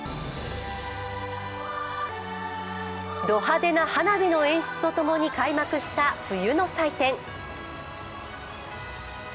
ド派手な花火の演出とともに開幕した冬の祭典。